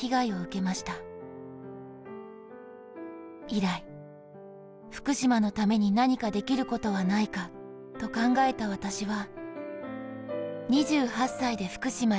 「以来、福島のためになにかできることはないかと考えた私は、」